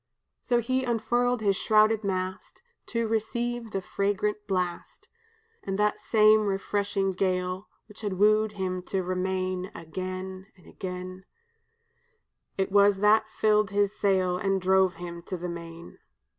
"So he unfurled his shrouded mast To receive the fragrant blast, And that same refreshing gale Which had woo'd him to remain Again and again; It was that filled his sail And drove him to the main.